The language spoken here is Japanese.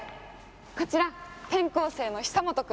こちら、転校生の久本君。